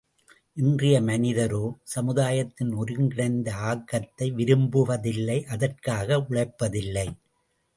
இன்றைய மனிதரோ, சமுதாயத்தின் ஒருங்கிணைந்த ஆக்கத்தை விரும்புவதில்லை அதற்காக உழைப்பதில்லை!